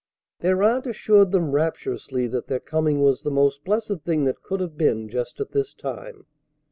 Their aunt assured them rapturously that their coming was the most blessed thing that could have been just at this time.